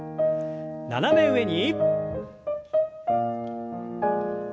斜め上に。